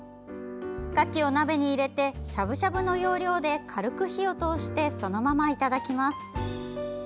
かきを鍋に入れてしゃぶしゃぶの要領で軽く火を通してそのままいただきます。